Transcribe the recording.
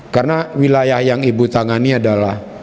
karena wilayah yang ibu tangani adalah